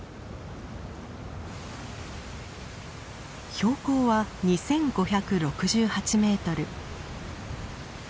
標高は２，５６８メートル。